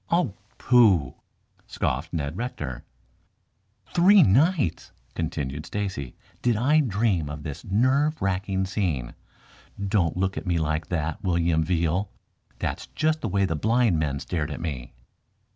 "Oh, pooh!" scoffed Ned Rector. "Three nights," continued Stacy, "did I dream of this nerve racking scene. Don't look at me like that, William Veal! That's just the way the blind men stared at me."